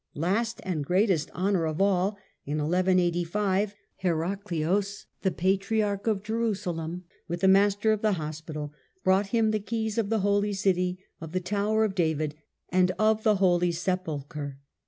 Last and greatest honour of all, in 1185, Heraclios, the Patriarch of Jerusalem, with the Master of the Hospital, brought him the keys of the Holy City, of the Tower of David, and of the Holy Sepulchre.